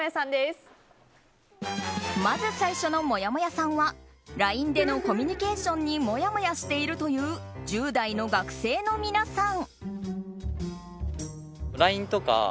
まずはまず最初のもやもやさんはＬＩＮＥでのコミュニケーションにもやもやしているという１０代の学生の皆さん。